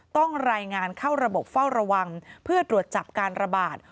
ต้องรายงานเข้าระบบเฝ้าระวังเพื่อตรวจจับการระบาด